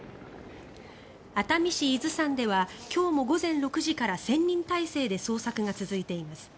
熱海市伊豆山では今日も午前６時から１０００人態勢で捜索が続いています。